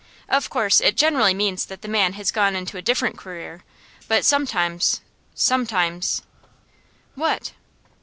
Of course it generally means that the man has gone into a different career; but sometimes, sometimes ' 'What?